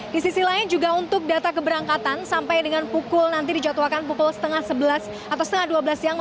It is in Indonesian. di sisi lain juga untuk data keberangkatan sampai dengan pukul nanti dijadwalkan pukul setengah sebelas atau setengah dua belas siang